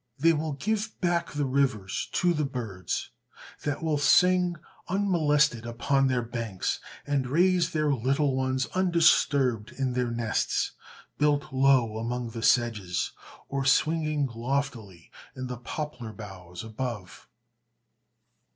They will give back the rivers to the birds, that will sing unmolested upon their banks, and raise their little ones undisturbed in their nests, built low among the sedges, or swinging loftily in the poplar boughs above.